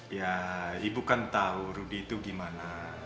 ya ibu kan tahu ruby itu gimana